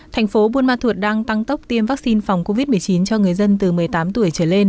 thành phố buôn ma thuột đang tăng tốc tiêm vaccine phòng covid một mươi chín cho người dân từ một mươi tám tuổi trở lên